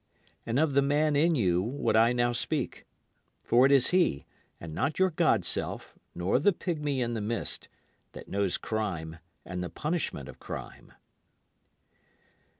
And of the man in you would I now speak. For it is he and not your god self nor the pigmy in the mist, that knows crime and the punishment of crime.